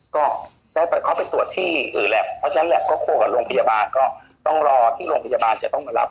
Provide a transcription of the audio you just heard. ก็ได้เข้าไปตรวจที่อื่นแหละเพราะฉะนั้นแหละก็คุยกับโรงพยาบาลก็ต้องรอที่โรงพยาบาลจะต้องมารับ